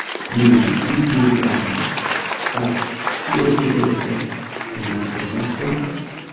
“Nun, vi diru al mi, Pat, kio tio estas en la fenestro?”